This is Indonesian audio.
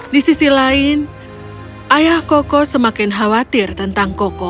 di sisi lain ayah koko semakin khawatir tentang koko